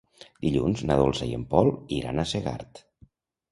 Dilluns na Dolça i en Pol iran a Segart.